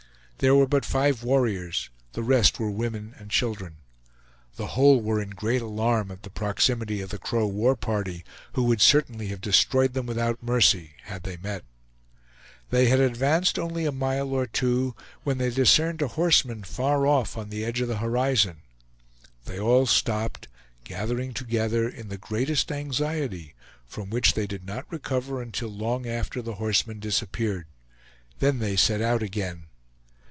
There were but five warriors; the rest were women and children. The whole were in great alarm at the proximity of the Crow war party, who would certainly have destroyed them without mercy had they met. They had advanced only a mile or two, when they discerned a horseman, far off, on the edge of the horizon. They all stopped, gathering together in the greatest anxiety, from which they did not recover until long after the horseman disappeared; then they set out again.